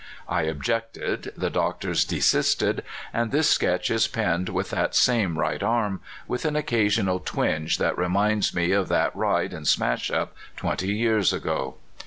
I objected, the doctors desisted, and this Sketch is penned with that same right arm, with an occasional twinge that reminds me of that ride and smash up twenty years ago.